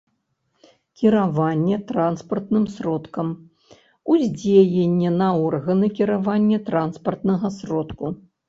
Кіраванне транспартным сродкам — уздзеянне на органы кіравання транспартнага сродку